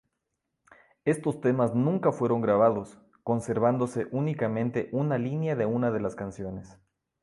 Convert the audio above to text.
Estos temas nunca fueron grabados, conservándose únicamente una línea de una de las canciones.